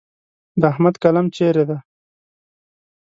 د احمد قلم چیرې دی؟